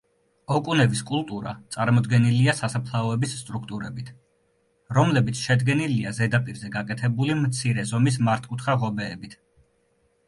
ოკუნევის კულტურა წარმოდგენილია სასაფლაოების სტრუქტურებით, რომლებიც შედგენილია ზედაპირზე გაკეთებული მცირე ზომის მართკუთხა ღობეებით.